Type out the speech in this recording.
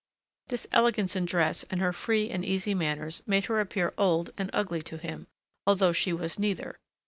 This elegance in dress and her free and easy manners made her appear old and ugly to him, although she was neither.